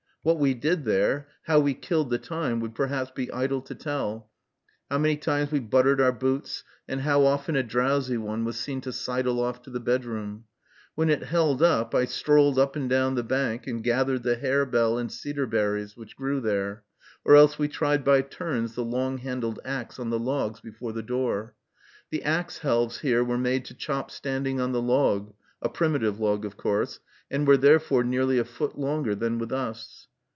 What we did there, how we killed the time would perhaps be idle to tell; how many times we buttered our boots, and how often a drowsy one was seen to sidle off to the bedroom. When it held up, I strolled up and down the bank, and gathered the harebell and cedar berries, which grew there; or else we tried by turns the long handled axe on the logs before the door. The axe helves here were made to chop standing on the log, a primitive log of course, and were, therefore, nearly a foot longer than with us.